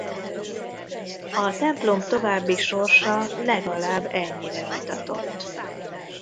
A templom további sorsa legalább ennyire vitatott.